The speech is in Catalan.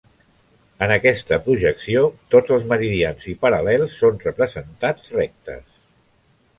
En aquesta projecció tots els meridians i paral·lels són representats rectes.